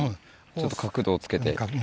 ちょっと角度をつけて。